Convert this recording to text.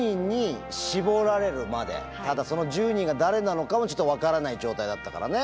ただその１０人が誰なのかもちょっと分からない状態だったからね。